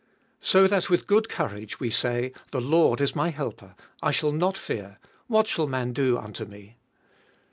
So that with good courage we say, The Lord is my helper ; I shall not fear: what shall man do unto me?